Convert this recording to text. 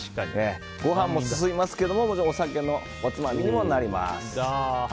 ご飯も進みますけどお酒のおつまみにもなります。